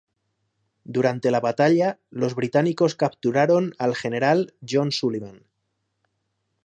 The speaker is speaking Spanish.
Durante la batalla, los británicos capturaron al general John Sullivan.